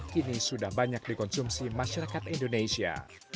kini sudah banyak dikonsumsi masyarakat indonesia